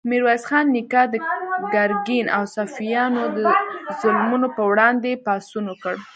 میرویس خان نیکه د ګرګین او صفویانو د ظلمونو په وړاندې پاڅون وکړ.